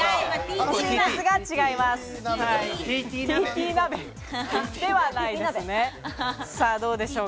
ＴＴ鍋ではないですね。